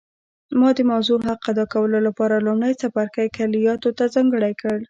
ما د موضوع حق ادا کولو لپاره لومړی څپرکی کلیاتو ته ځانګړی کړ